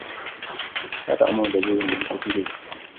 هذا أمر جديد بالنسبة لي.